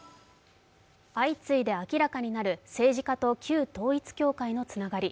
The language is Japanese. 相次いで明らかになる政治家と旧統一教会のつながり。